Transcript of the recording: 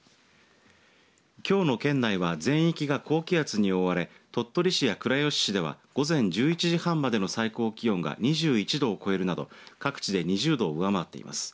きょうの県内は全域が高気圧に覆われ鳥取市や倉吉市では午前１１時半までの最高気温が２１度を超えるなど各地で２０度を上回っています。